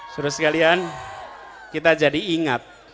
suruh sekalian kita jadi ingat